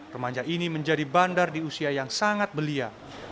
remaja ini menjadi bandar di usia yang sangat belia